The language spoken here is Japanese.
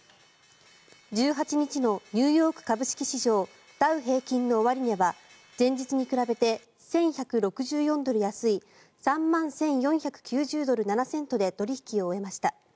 １８日のニューヨーク株式市場ダウ平均の終値は前日に比べて１１６４ドル安い３万１４９０ドル７セントで取引を終えました。